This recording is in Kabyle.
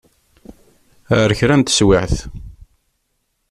Ar kra n teswiɛt.